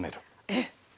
えっ？